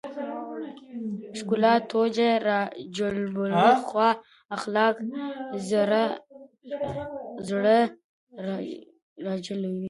ښکلا توجه راجلبوي خو اخلاق زړه راجلبوي.